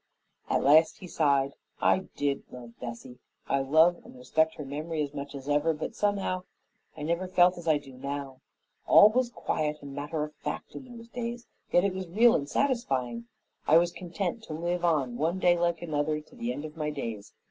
At last he signed, "I DID love Bessie. I love and respect her memory as much as ever. But somehow I never felt as I do now. All was quiet and matter of fact in those days, yet it was real and satisfying. I was content to live on, one day like another, to the end of my days.